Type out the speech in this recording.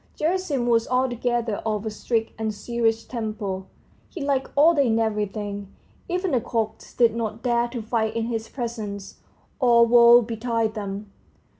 Gerasim was altogether of a strict and serious temper, he liked order in everything; even the cocks did not dare to fight in his presence, or woe betide them!